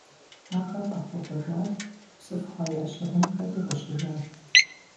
Ахэр къэхуэбэжат, псыф хъуа я щыгъынхэри гъущыжат.